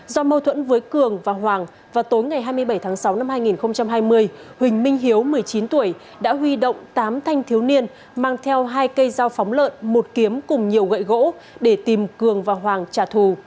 do mâu thuẫn với cường và hoàng vào tối ngày hai mươi bảy tháng sáu năm hai nghìn hai mươi huỳnh minh hiếu một mươi chín tuổi đã huy động tám thanh thiếu niên mang theo hai cây dao phóng lợn một kiếm cùng nhiều gậy gỗ để tìm cường và hoàng trả thù